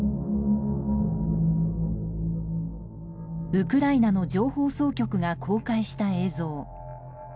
ウクライナの情報総局が公開した映像。